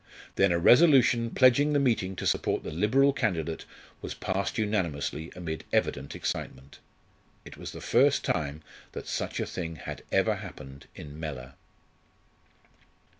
Then a resolution pledging the meeting to support the Liberal candidate was passed unanimously amid evident excitement. It was the first time that such a thing had ever happened in Mellor.